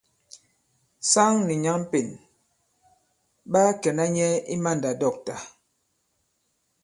Saŋ nì nyǎŋ Pên ɓa kɛ̀na nyɛ i mandàdɔ̂ktà.